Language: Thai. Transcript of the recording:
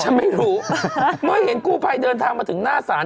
ฉันไม่รู้เมื่อเห็นกู้ภัยเดินทางมาถึงหน้าศาล